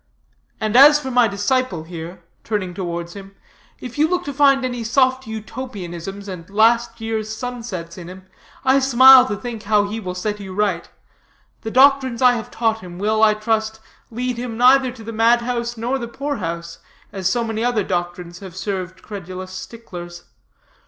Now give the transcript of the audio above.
And as for my disciple here," turning towards him, "if you look to find any soft Utopianisms and last year's sunsets in him, I smile to think how he will set you right. The doctrines I have taught him will, I trust, lead him neither to the mad house nor the poor house, as so many other doctrines have served credulous sticklers.